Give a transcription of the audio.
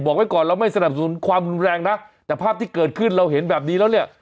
บอกไว้ก่อนเราไม่สนับสนุนความรุนแรงนะแต่ภาพที่เกิดขึ้นเราเห็นแบบนี้แล้วเนี่ย